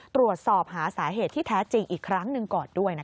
ตรวจสอบหาสาเหตุที่แท้จริงอีกครั้งหนึ่งก่อนด้วย